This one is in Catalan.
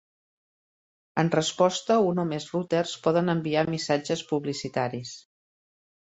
En resposta, un o més routers poden enviar missatges publicitaris.